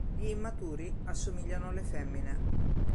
Gli immaturi assomigliano alle femmine.